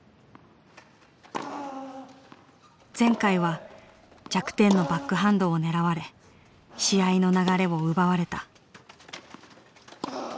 前回は弱点のバックハンドを狙われ試合の流れを奪われた。